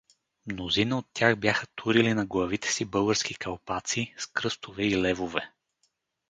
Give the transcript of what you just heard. Мнозина от тях бяха турили на главите си български калпаци, с кръстове и левове.